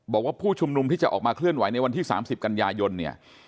ผู้ชุมนุมที่จะออกมาเคลื่อนไหวในวันที่๓๐กันยายนเนี่ย